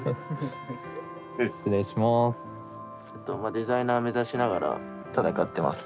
デザイナー目指しながら闘ってます。